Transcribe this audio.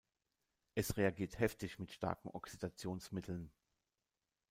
Es reagiert heftig mit starken Oxidationsmitteln.